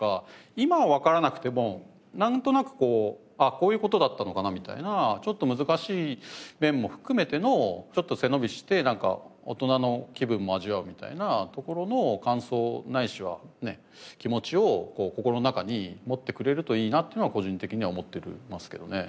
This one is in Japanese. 今はわからなくてもなんとなく「あっこういう事だったのかな」みたいなちょっと難しい面も含めてのちょっと背伸びしてなんか大人の気分も味わうみたいなところの感想ないしは気持ちを心の中に持ってくれるといいなっていうのは個人的には思ってますけどね。